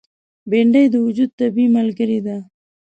بېنډۍ د وجود طبیعي ملګره ده